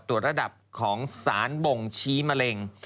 ตรวจระดับของสารบ่งชี้มะเร็ง